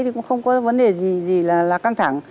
thì cũng không có vấn đề gì là căng thẳng